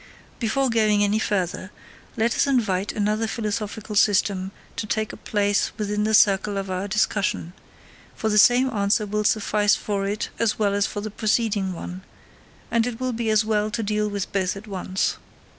Before going any further, let us invite another philosophical system to take a place within the circle of our discussion; for the same answer will suffice for it as well as for the preceding one, and it will be as well to deal with both at once.